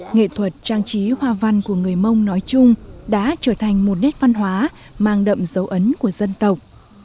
nghệ thuật trang trí hoa văn của người mông nói chung đã trở thành một nét văn hóa mang đậm dấu ấn của dân tộc